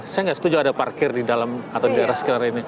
saya nggak setuju ada parkir di dalam atau di daerah sekitar ini